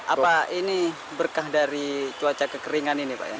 apa ini berkah dari cuaca kekeringan ini pak ya